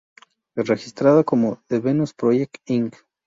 Registrada como "The Venus Project Inc.